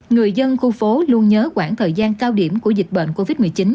người dân khu phố luôn nhớ khoảng thời gian cao điểm của dịch bệnh covid một mươi chín